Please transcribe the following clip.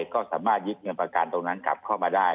ก็สามารถยึดเงินประกันตรงนั้นกลับเข้ามาได้